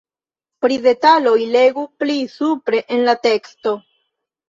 Pri detaloj legu pli supre en la teksto.